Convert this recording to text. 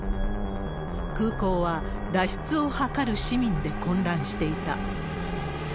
空港は脱出を図る市民で混乱していた。